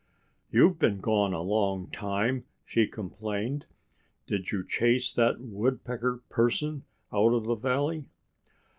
"You've been gone a long time," she complained. "Did you chase that Woodpecker person out of the valley?"